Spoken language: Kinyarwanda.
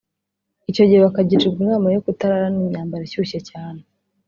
Icyo gihe bakagirwa inama yo kutararana imyambaro ishyushye cyane